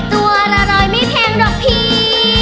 ตัวละร้อยไม่แพงหรอกพี่